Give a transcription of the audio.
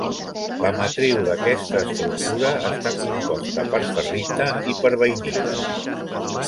La matriu d'aquesta estructura està composta per ferrita i per bainita.